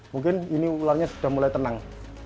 mungkin ini ularnya sudah mulai tenang